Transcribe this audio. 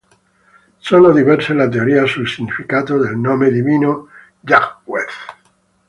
Sono diverse le teorie sul significato del nome divino Yahweh.